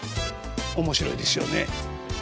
面白いですよね。